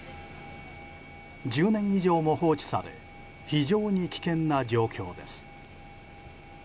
１０年以上も放置され非常に危険な状況です。